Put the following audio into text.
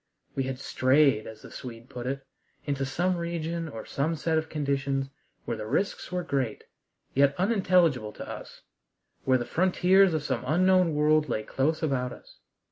We had "strayed," as the Swede put it, into some region or some set of conditions where the risks were great, yet unintelligible to us; where the frontiers of some unknown world lay close about us.